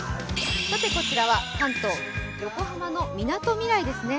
こちは関東、横浜のみなとみらいですね。